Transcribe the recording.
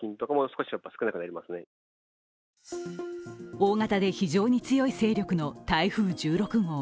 大型で非常に強い勢力の台風１６号。